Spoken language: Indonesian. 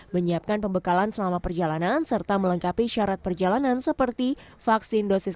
menyiapkan pembekalan selama perjalanan serta melengkapi syarat perjalanan seperti vaksin dosis